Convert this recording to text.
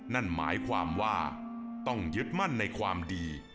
นั่นหมายความว่าต้องยึดมั่นในความดี